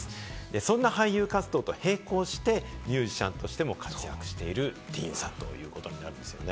そんな俳優活動と並行して、ミュージシャンとしても活躍しているＤＥＡＮさんということなんですね。